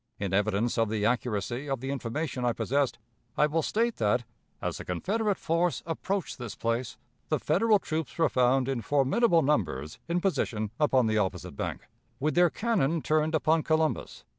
In evidence of the accuracy of the information I possessed, I will state that, as the Confederate force approached this place, the Federal troops were found in formidable numbers in position upon the opposite bank, with their cannon turned upon Columbus.